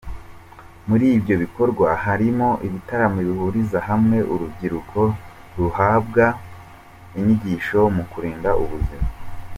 Muri ibyo bikorwa harimo ibitaramo bihuriza hamwe urubyiruko rugahabwa inyigisho mu kurinda ubuzima.